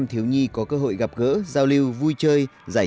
hẹn gặp lại